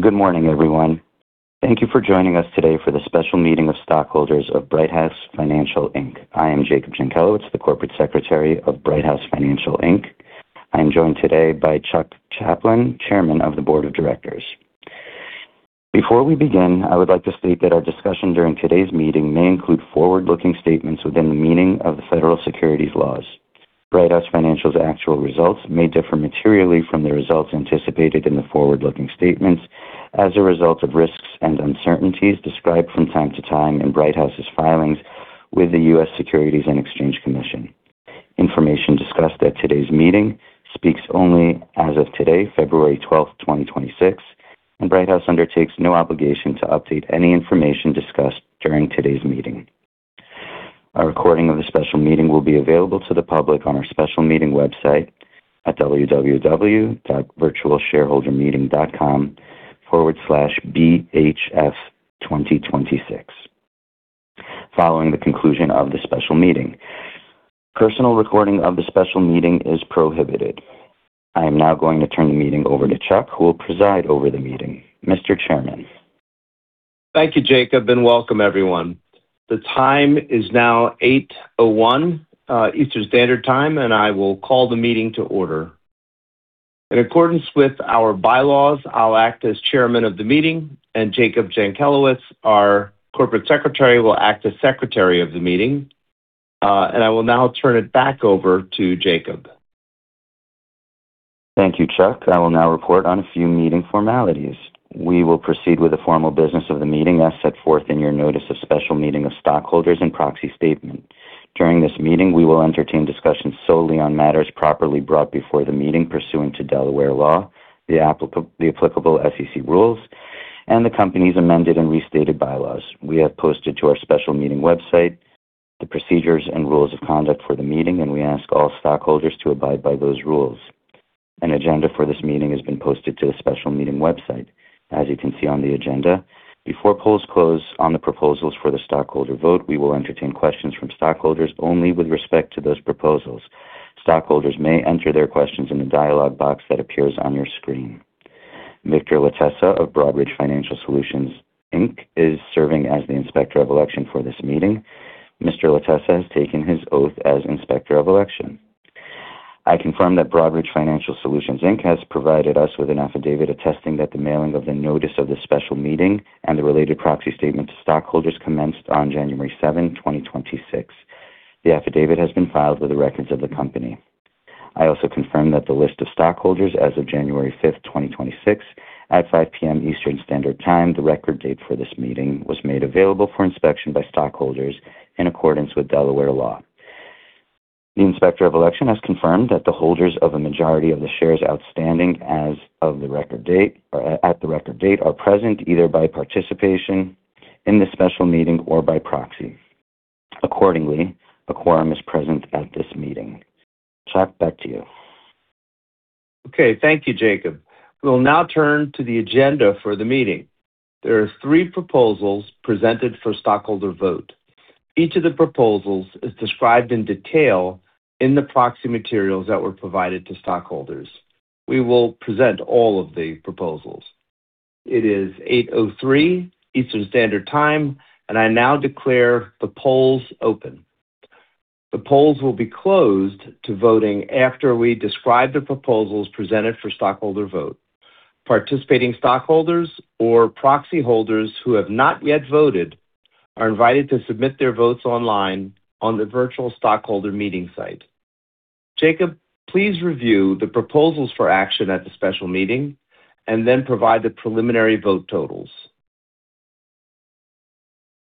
Good morning, everyone. Thank you for joining us today for the special meeting of stockholders of Brighthouse Financial, Inc. I am Jacob M. Jenkelowitz, the Corporate Secretary of Brighthouse Financial, Inc. I am joined today by Chuck Chaplin, Chairman of the Board of Directors. Before we begin, I would like to state that our discussion during today's meeting may include forward-looking statements within the meaning of the federal securities laws. Brighthouse Financial's actual results may differ materially from the results anticipated in the forward-looking statements as a result of risks and uncertainties described from time to time in Brighthouse's filings with the U.S. Securities and Exchange Commission. Information discussed at today's meeting speaks only as of today, February 12, 2026, and Brighthouse undertakes no obligation to update any information discussed during today's meeting. A recording of the special meeting will be available to the public on our special meeting website at www.virtualshareholdermeeting.com/bhf2026, following the conclusion of the special meeting. Personal recording of the special meeting is prohibited. I am now going to turn the meeting over to Chuck, who will preside over the meeting. Mr. Chairman? Thank you, Jacob, and welcome, everyone. The time is now 8:01 Eastern Standard Time, and I will call the meeting to order. In accordance with our bylaws, I'll act as chairman of the meeting, and Jacob Jenkelowitz, our corporate secretary, will act as secretary of the meeting. I will now turn it back over to Jacob. Thank you, Chuck. I will now report on a few meeting formalities. We will proceed with the formal business of the meeting, as set forth in your notice of special meeting of stockholders and proxy statement. During this meeting, we will entertain discussions solely on matters properly brought before the meeting pursuant to Delaware law, the applicable SEC rules, and the company's amended and restated bylaws. We have posted to our special meeting website the procedures and rules of conduct for the meeting, and we ask all stockholders to abide by those rules. An agenda for this meeting has been posted to the special meeting website. As you can see on the agenda, before polls close on the proposals for the stockholder vote, we will entertain questions from stockholders only with respect to those proposals. Stockholders may enter their questions in the dialogue box that appears on your screen. Victor Latessa of Broadridge Financial Solutions, Inc. is serving as the Inspector of Election for this meeting. Mr. Latessa has taken his oath as Inspector of Election. I confirm that Broadridge Financial Solutions Inc. has provided us with an affidavit attesting that the mailing of the notice of the special meeting and the related proxy statement to stockholders commenced on January 7, 2026. The affidavit has been filed with the records of the company. I also confirm that the list of stockholders as of January 5, 2026, at 5 P.M. Eastern Standard Time, the record date for this meeting, was made available for inspection by stockholders in accordance with Delaware law. The Inspector of Election has confirmed that the holders of a majority of the shares outstanding as of the Record Date, or at the Record Date, are present either by participation in this special meeting or by proxy. Accordingly, a quorum is present at this meeting. Chuck, back to you. Okay, thank you, Jacob. We'll now turn to the agenda for the meeting. There are three proposals presented for stockholder vote. Each of the proposals is described in detail in the proxy materials that were provided to stockholders. We will present all of the proposals. It is 8:03 Eastern Standard Time, and I now declare the polls open. The polls will be closed to voting after we describe the proposals presented for stockholder vote. Participating stockholders or proxy holders who have not yet voted are invited to submit their votes online on the virtual stockholder meeting site. Jacob, please review the proposals for action at the special meeting and then provide the preliminary vote totals.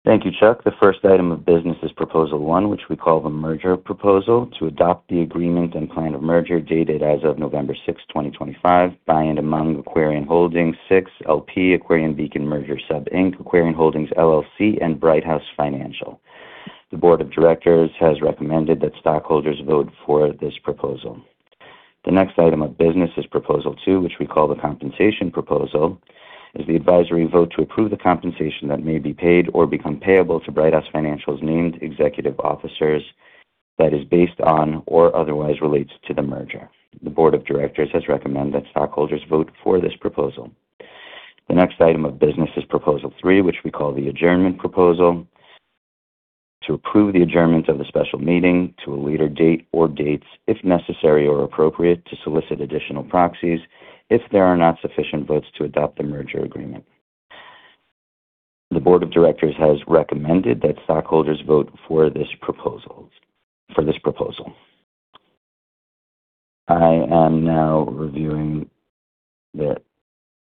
Thank you, Chuck. The first item of business is Proposal One, which we call the Merger Proposal, to adopt the agreement and plan of merger, dated as of November 6, 2025, by and among Aquarian Holdings VI L.P., Aquarian Beacon Merger Sub Inc., Aquarian Holdings LLC, and Brighthouse Financial. The board of directors has recommended that stockholders vote for this proposal. The next item of business is Proposal Two, which we call the Compensation Proposal, is the advisory vote to approve the compensation that may be paid or become payable to Brighthouse Financial's named executive officers that is based on or otherwise relates to the merger. The board of directors has recommended that stockholders vote for this proposal. The next item of business is Proposal Three, which we call the Adjournment Proposal, to approve the adjournment of the special meeting to a later date or dates, if necessary or appropriate, to solicit additional proxies if there are not sufficient votes to adopt the merger agreement. The board of directors has recommended that stockholders vote for this proposals, for this proposal. I am now reviewing the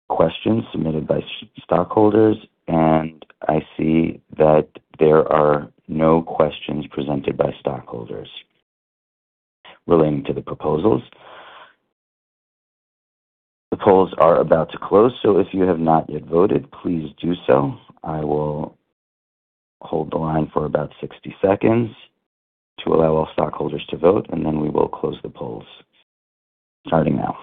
questions submitted by stockholders, and I see that there are no questions presented by stockholders relating to the proposals. The polls are about to close, so if you have not yet voted, please do so. I will hold the line for about 60 seconds to allow all stockholders to vote, and then we will close the polls. Starting now.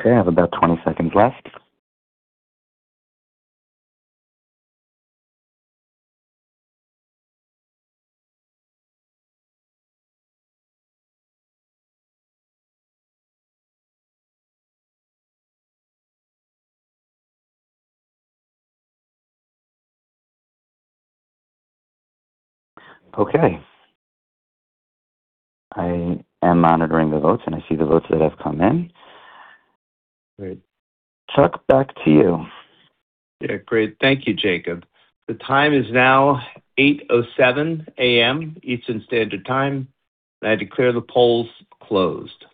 Okay, I have about 20 seconds left. Okay. I am monitoring the votes, and I see the votes that have come in. Great. Chuck, back to you. Yeah, great. Thank you, Jacob. The time is now 8:07 A.M., Eastern Standard Time. I declare the polls closed.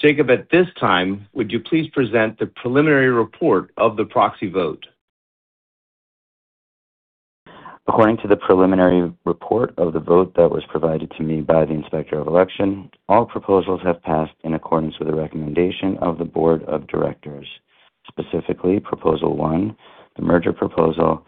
Jacob, at this time, would you please present the preliminary report of the proxy vote? According to the preliminary report of the vote that was provided to me by the Inspector of Election, all proposals have passed in accordance with the recommendation of the board of directors. Specifically, Proposal One, the merger proposal,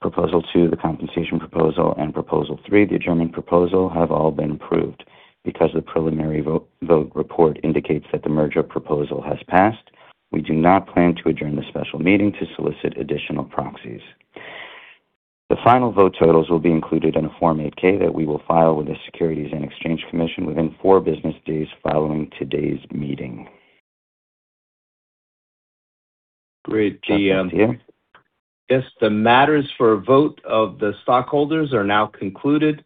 Proposal Two, the compensation proposal, and Proposal Three, the adjournment proposal, have all been approved. Because the preliminary vote report indicates that the merger proposal has passed, we do not plan to adjourn the special meeting to solicit additional proxies. The final vote totals will be included in a Form 8-K that we will file with the Securities and Exchange Commission within four business days following today's meeting. Great, Jacob. Back to you. Yes, the matters for a vote of the stockholders are now concluded,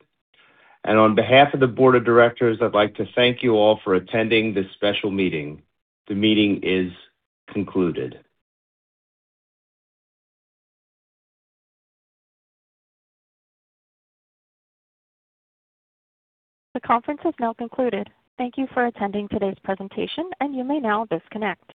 and on behalf of the board of directors, I'd like to thank you all for attending this special meeting. The meeting is concluded. The conference has now concluded. Thank you for attending today's presentation, and you may now disconnect.